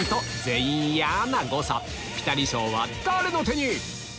ピタリ賞は誰の手に⁉